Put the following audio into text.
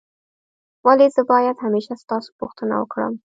ولي زه باید همېشه ستاسو پوښتنه وکړم؟